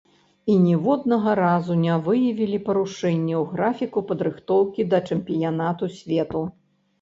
І ніводнага разу не выявілі парушэнняў графіку падрыхтоўкі да чэмпіянату свету.